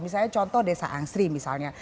misalnya contoh desa angsri misalnya